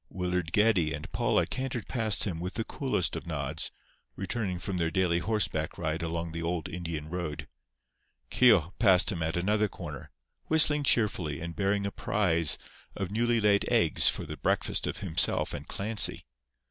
Willard Geddie and Paula cantered past him with the coolest of nods, returning from their daily horseback ride along the old Indian road. Keogh passed him at another corner, whistling cheerfully and bearing a prize of newly laid eggs for the breakfast of himself and Clancy.